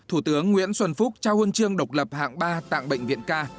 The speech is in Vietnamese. thủ tướng nguyễn xuân phúc trao huân chương độc lập hạng ba tặng bệnh viện ca